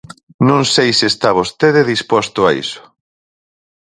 Non sei se está vostede disposto a iso.